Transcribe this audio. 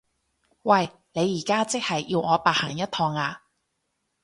喂！你而家即係要我白行一趟呀？